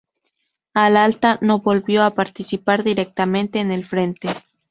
Al alta, no volvió a participar directamente en el frente.